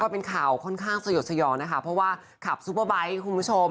เป็นข่าวค่อนข้างสยดสยองนะคะเพราะว่าขับซุปเปอร์ไบท์คุณผู้ชม